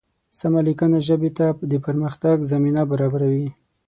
سمه لیکنه ژبې ته د پرمختګ زمینه برابروي.